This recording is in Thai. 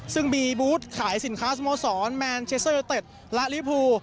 ซึ่งมีบุตรขายสินค้าสโมสอร์แมนเชเซอร์เต็ดและลิฟภู